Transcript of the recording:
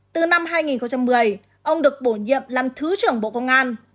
từ năm hai nghìn một mươi ông được bổ nhiệm làm thứ trưởng bộ công an